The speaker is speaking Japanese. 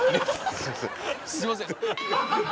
すいません。